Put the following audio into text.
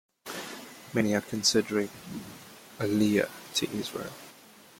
Many are considering aliyah to Israel.